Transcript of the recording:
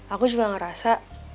aku juga ngerasa